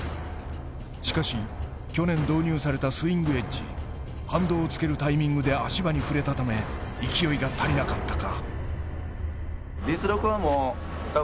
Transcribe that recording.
しかし去年導入されたスイングエッジ反動をつけるタイミングで足場に触れたため、勢いが足りなかったか。